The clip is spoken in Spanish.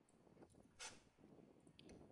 Más tarde, la familia se mudó a Egipto.